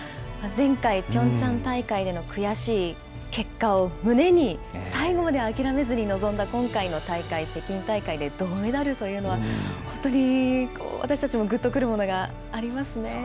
前回ピョンチャン大会での悔しい結果を胸に、最後まで諦めずに臨んだ今回の大会、北京大会で銅メダルというのは、本当に私たちもぐっとくるものがありますね。